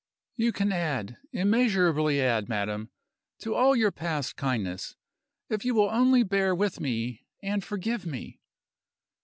"You can add immeasurably add, madam to all your past kindness, if you will only bear with me and forgive me."